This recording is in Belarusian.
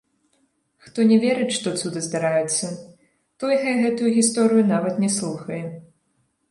Хто не верыць, што цуды здараюцца, той хай гэтую гісторыю нават не слухае.